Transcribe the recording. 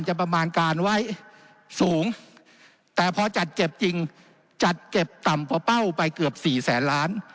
ประมาณการไว้สูงแต่พอจัดเก็บจริงจัดเก็บต่ำพอเป้าไปเกือบสี่แสนล้าน